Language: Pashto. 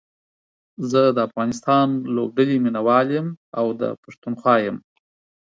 زه دا افغانستان لوبډلې ميناوال يم او دا پښتونخوا يم